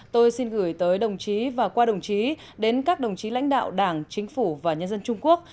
tôi xin gửi tới đồng chí và qua đồng chí đến các đồng chí lãnh đạo đảng chính phủ và nhân dân trung quốc